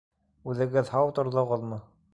Үҙегеҙ һау торҙоғоҙмо?